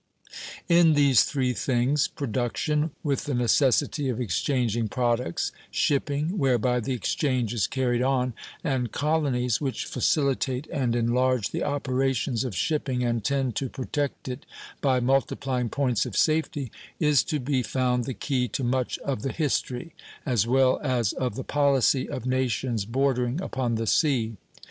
In these three things production, with the necessity of exchanging products, shipping, whereby the exchange is carried on, and colonies, which facilitate and enlarge the operations of shipping and tend to protect it by multiplying points of safety is to be found the key to much of the history, as well as of the policy, of nations bordering upon the sea.